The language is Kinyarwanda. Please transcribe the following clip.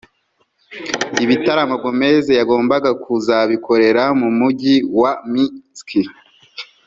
Ibi bitaramo Gomez yagombaga kuzabikorera mu mujyi wa Minsk